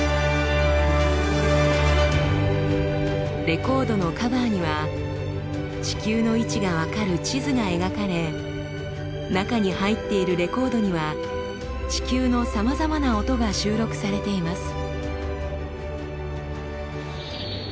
レコードのカバーには地球の位置が分かる地図が描かれ中に入っているレコードには地球のさまざまな音が収録されています。